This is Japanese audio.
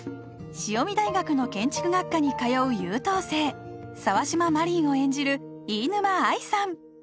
潮海大学の建築学科に通う優等生沢島真凛を演じる飯沼愛さん